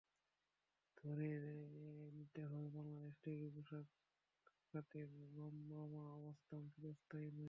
ধরে নিতে হবে, বাংলাদেশের তৈরি পোশাক খাতের রমরমা অবস্থা চিরস্থায়ী নয়।